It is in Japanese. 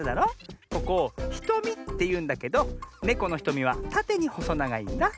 ここ「ひとみ」っていうんだけどネコのひとみはたてにほそながいんだ。